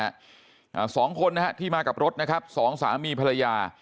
อ่าสองคนนะฮะที่มากับรถนะครับสองสามีภรรยา